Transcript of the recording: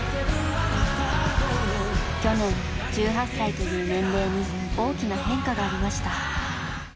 去年１８歳という年齢に大きな変化がありました。